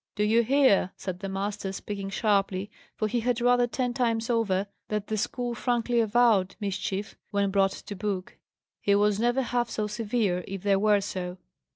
"Do you hear?" said the master, speaking sharply, for he had rather, ten times over, that the school frankly avowed mischief, when brought to book: he was never half so severe if they were so.